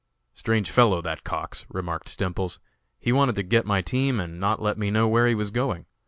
"Strange fellow, that Cox!" remarked Stemples. "He wanted to get my team and not let me know where he was going.